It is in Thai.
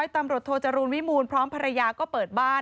ตำรวจโทจรูลวิมูลพร้อมภรรยาก็เปิดบ้าน